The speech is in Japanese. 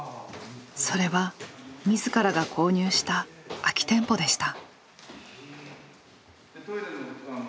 それは自らが購入した空き店舗でした。